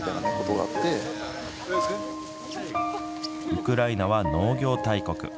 ウクライナは農業大国。